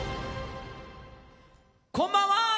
こんばんは！